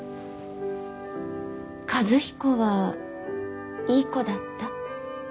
和彦はいい子だった？